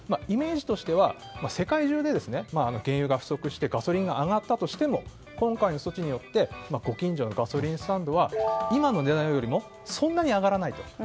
イメージとしては世界中で原油が不足してガソリンが上がったとしても今回の措置によってご近所のガソリンスタンドは今の値段よりもそんなに上がらない。